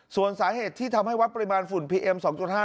ส่วนสาเหตุที่ทำให้วัดปริมาณฝุ่นพีเอ็ม๒๕